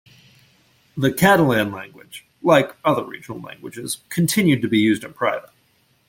The Catalan language, like other regional languages, continued to be used in private.